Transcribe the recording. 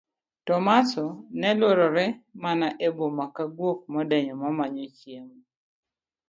Tomaso ne luorore mana e boma ka guok modenyo mamanyo chiemo.